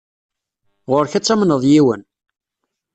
Ɣuṛ-k ad tamneḍ yiwen.